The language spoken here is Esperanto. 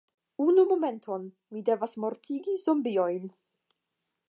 Unu momenton, mi devas mortigi zombiojn.